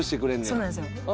そうなんですよ。